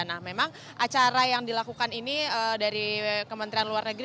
nah memang acara yang dilakukan ini dari kementerian luar negeri